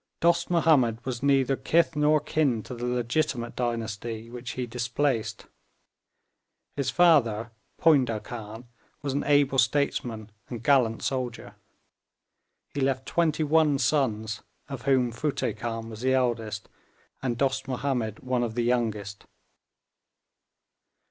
Dost Mahomed was neither kith nor kin to the legitimate dynasty which he displaced. His father Poyndah Khan was an able statesman and gallant soldier. He left twenty one sons, of whom Futteh Khan was the eldest, and Dost Mahomed one of the youngest.